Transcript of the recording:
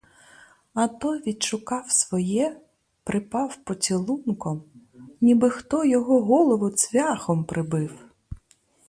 А той відшукав своє, припав поцілунком, ніби хто його голову цвяхом прибив.